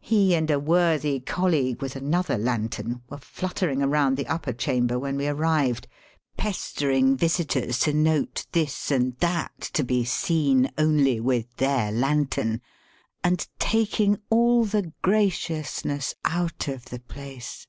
He and a worthy colleague with another lantern were fluttering round the upper chamber when we arrived, pestering visitors to note this and that, to be seen only with their lantern, and taking all th6 graciousness out of the place.